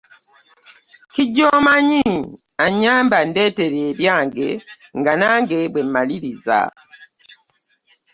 Kijjoomanyi annyambe andeetere eyange nga nange bwe mmaliriza.